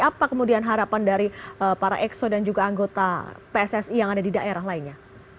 apa kemudian harapan dari para exo dan juga anggota pssi yang ada di daerah lainnya